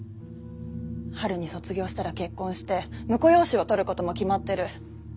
春に卒業したら結婚して婿養子をとることも決まってる。